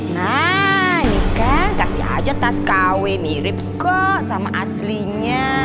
nah ini kan kasih aja tas kw mirip kok sama aslinya